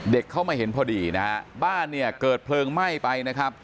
เด็กเขาไม่เห็นพอดีบ้านเกิดเพลิงไหม้ไป